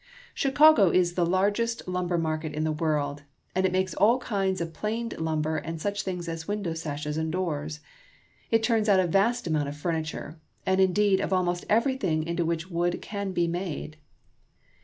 Chicago is the largest lumber market in the world, and it makes all kinds of planed lumber and such things as window sashes and doors. It turns out a vast amount of furniture, and, indeed, of almost everything into which wood can be made.